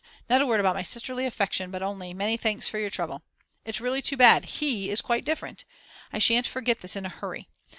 Not a word about my sisterly affection, but only: "Many thanks for your trouble." It's really too bad; he is quite different!! I shan't forget this in a hurry.